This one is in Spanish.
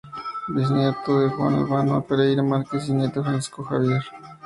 Bisnieto de Juan Albano Pereira Márquez y nieto de Francisco Javier Errázuriz Aldunate.